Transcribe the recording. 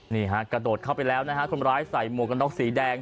นี่ฮะกระโดดเข้าไปแล้วนะฮะคนร้ายใส่หมวกกันน็อกสีแดง